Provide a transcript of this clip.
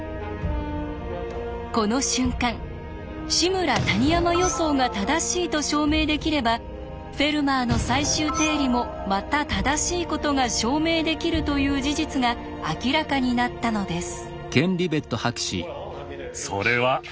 この瞬間「志村−谷山予想」が正しいと証明できれば「フェルマーの最終定理」もまた正しいことが証明できるという事実が明らかになったのです。